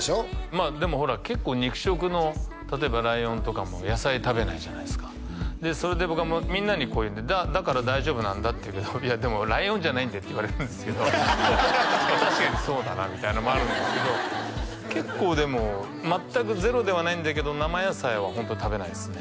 まあでもほら結構肉食の例えばライオンとかも野菜食べないじゃないですかそれで僕はみんなに言うんでだから大丈夫なんだって言うけどいやでもライオンじゃないんでって言われるんですけど確かにそうだなみたいなのもあるんですけど結構でも全くゼロではないんだけど生野菜はホントに食べないですね